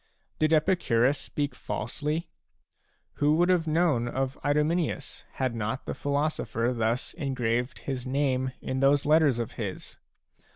Did Epicurus speak falsely? Who would have known of Idomeneus, had not the philo sopher thus engraved his name in those letters of his